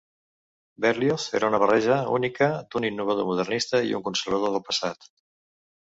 Berlioz era una barreja única d'un innovador modernista i un conservador del passat.